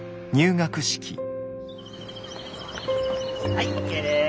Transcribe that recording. はいＯＫです。